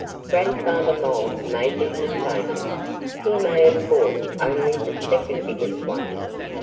Grandfather Mole may be mistaken. He may have caught only the second biggest one."